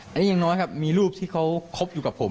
และยังน้อยครับมีรูปที่เขาคบอยู่กับผม